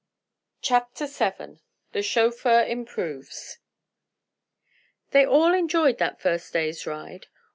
CHAPTER VII THE CHAUFFEUR IMPROVES They all enjoyed that first day's ride.